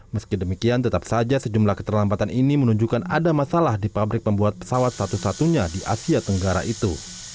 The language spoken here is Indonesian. meski demikian tetap saja sejumlah keterlambatan ini menunjukkan ada masalah di pabrik pembuat pesawat satu satunya di asia tenggara itu